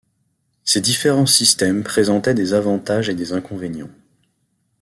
Ces différents systèmes présentaient des avantages et des inconvénients.